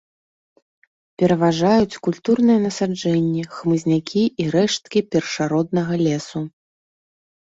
Пераважаюць культурныя насаджэнні, хмызнякі і рэшткі першароднага лесу.